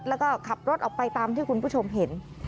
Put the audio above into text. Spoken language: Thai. แล้วก็ขับรถออกไปตามที่คุณผู้ชมเห็น